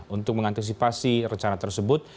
untuk mengantisipasi rencana tersebut